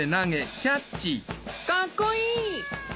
かっこいい！